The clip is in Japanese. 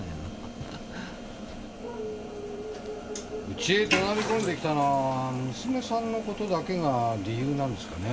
うちへ怒鳴り込んできたのは娘さんの事だけが理由なんですかね？